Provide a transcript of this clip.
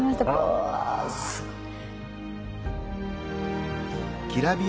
うわすごい。